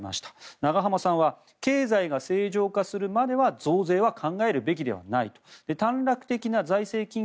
永濱さんは経済が正常化するまでは増税は考えるべきではないと。